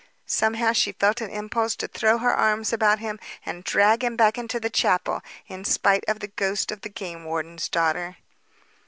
Somehow she felt an impulse to throw her arms about him and drag him back into the chapel, in spite of the ghost of the game warden's daughter.